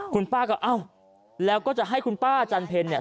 คุณป้าก็เอ้าแล้วก็จะให้คุณป้าจันเพลเนี่ย